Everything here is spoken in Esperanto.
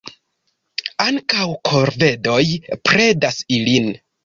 Ankaŭ korvedoj predas ilin.